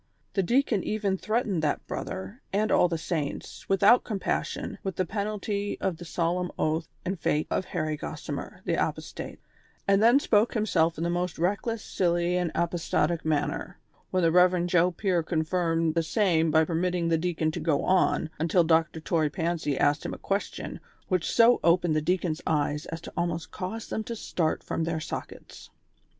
The deacon even threatened that brother, and all the saints, without compassion, with the penalty of the solemn oath and fate of Harry Gossimer, the apostate ; and then spoke himself in the most reckless, silly and apostatic manner ; when the Rev. Joe Pier confirmed the same by permitting the deacon to go on, until Dr. Toy Pancy asked him a question, which so opened the deacon's eyes as to almost cause them to start from their sockets.